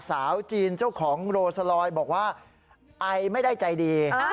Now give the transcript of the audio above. สาวจีนเจ้าของโรสลอยบอกว่าไอไม่ได้ใจดี